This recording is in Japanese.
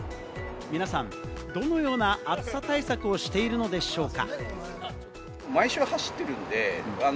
皆さん、どのような暑さ対策をしているのでしょうか？